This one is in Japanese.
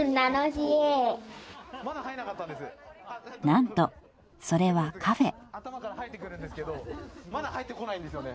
［何とそれはカフェ］